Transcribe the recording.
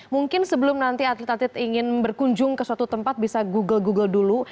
mungkin sebelum nanti atlet atlet ingin berkunjung ke suatu tempat bisa google google dulu